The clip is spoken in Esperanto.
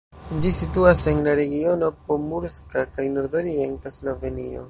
Ĝi situas en la regiono Pomurska en nordorienta Slovenio.